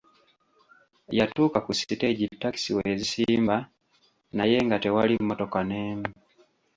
Yatuuka ku siteegi takisi we zisimba naye nga tewali mmotoka n'emu.